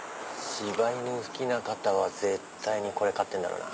柴犬好きな方は絶対にこれ買ってんだろうな。